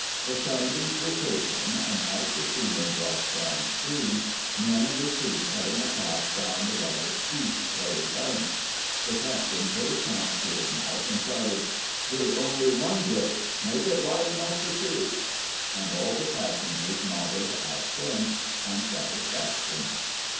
The soundings were taken, and, as the steamer dropped down stream, men were seen cutting a path down the rather steep clay bank. The captain put his hands to his mouth and shouted: "Dig only one grave make it wide enough for two." And all the passengers nodded assent and satisfaction.